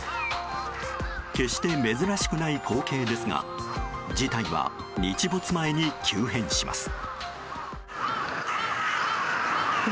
決して珍しくない光景ですが事態は日没前に急変します。